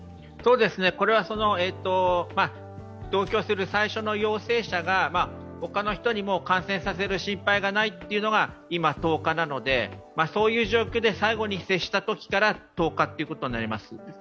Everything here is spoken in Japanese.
これは同居する最初の陽性者が他の人にも感染させる心配がないというのが今、１０日なので、そういう状況で最後に接したときから１０日ということになります。